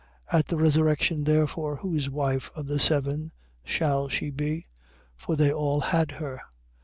22:28. At the resurrection therefore, whose wife of the seven shall she be? For they all had her.